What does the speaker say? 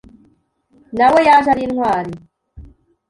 Na we yaje ari intwari